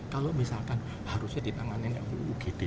kalau misalkan harusnya ditangani uugd